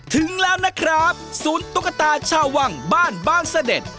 ถึงแล้วนะครับศูนย์ตุ๊กตาชาววังบ้านบ้านเสด็จ